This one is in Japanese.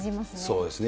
そうですね。